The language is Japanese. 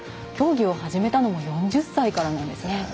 競技を始めたのも４０歳からなんですね。